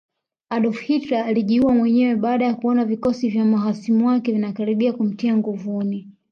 Adolf Hitler alijiua mwenyewe baada ya kuona vikosi vya mahasimu wake vinakaribia kumtia nguvuni